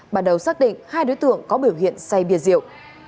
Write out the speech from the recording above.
bản đầu xác định hai đối tượng có biểu hiện xây bia rượu